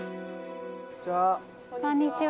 「こんにちは」